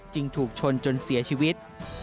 ถูกชนจนเสียชีวิต